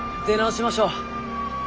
出直しましょう。